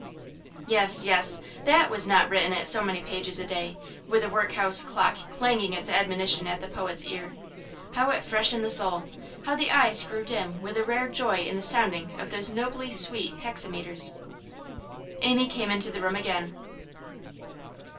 Yes, yes; THAT was not written at so many pages a day, with a workhouse clock clanging its admonition at the poet's ear. How it freshened the soul! How the eyes grew dim with a rare joy in the sounding of those nobly sweet hexameters! Amy came into the room again.